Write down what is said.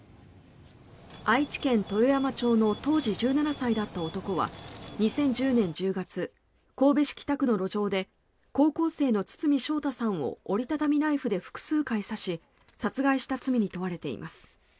愛知県豊山町の当時１７歳だった男は２０１０年１０月神戸市北区の路上で高校生の堤将太さんを折り畳みナイフで複数回刺し殺害した罪に問われています。